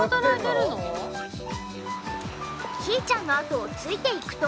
ひーちゃんのあとをついていくと。